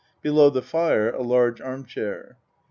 Below the fire a large arm chair.